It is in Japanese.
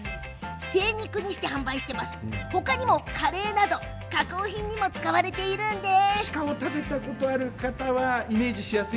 精肉にして販売する他にもカレーなどの加工品にも使われているんです。